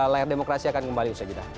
layar demokrasi akan kembali